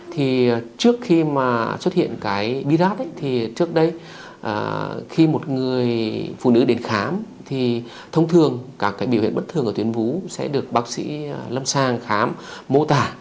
thì trước khi mà xuất hiện cái biras thì trước đây khi một người phụ nữ đến khám thì thông thường các cái biểu hiện bất thường ở tuyến vú sẽ được bác sĩ lâm sang khám mô tả